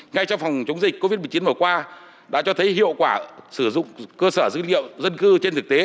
ngay trong phòng chống dịch covid một mươi chín vừa qua đã cho thấy hiệu quả sử dụng cơ sở dữ liệu dân cư trên thực tế